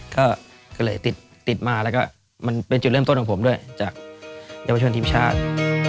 ก็เลยติดมาแล้วก็มันเป็นจุดเริ่มต้นของผมด้วยจากเยาวชนทีมชาติ